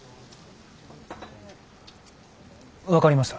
分かりました。